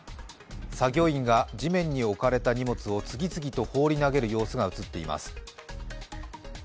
作業員が地面に置かれた荷物を次々と放り投げる様子が映っています。